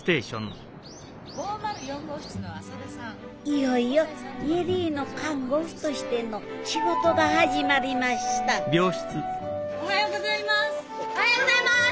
いよいよ恵里の看護婦としての仕事が始まりましたおはようございます。